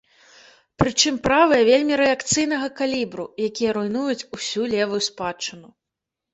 Прычым, правыя вельмі рэакцыйнага калібру, якія руйнуюць усю левую спадчыну.